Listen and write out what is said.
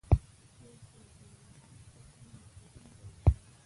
یو سل او یو پنځوسمه پوښتنه د تصمیم پړاوونه دي.